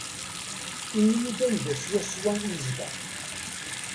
Ini-yi-d anda swaswa i yezdeɣ.